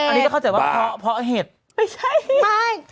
อันนี้เขาเข้าใจว่าเพราะเห็ด